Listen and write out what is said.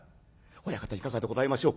親方いかがでございましょう。